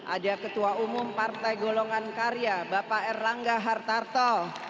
ada ketua umum partai golongan karya bapak erlangga hartarto